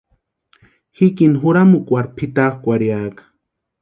Jikini juramukwarhu pʼitakwʼarhiaka.